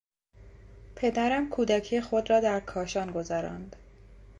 پدرم کودکی خود را در کاشان گذراند.